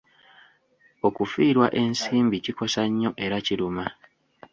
Okufiirwa ensimbi kikosa nnyo era kiruma.